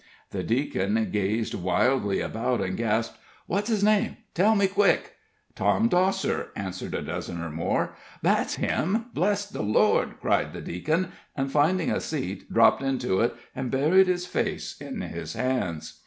The deacon gazed wildly about, and gasped: "What's his name? tell me quick!" "Tom Dosser!" answered a dozen or more. "That's him! Bless the Lord!" cried the deacon, and finding a seat, dropped into it, and buried his face in his hands.